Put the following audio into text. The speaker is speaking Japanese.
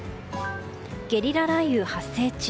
ゲリラ雷雨、発生中。